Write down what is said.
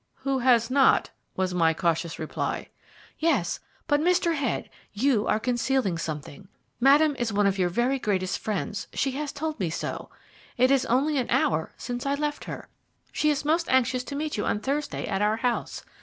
"Who has not?" was my cautious reply. "Yes, but, Mr. Head, you are concealing something. Madame is one of your very greatest friends: she has told me so. It is only an hour since I left her. She is most anxious to meet you on Thursday at our house.